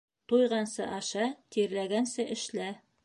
Туйғансы аша, тирләгәнсе эшлә.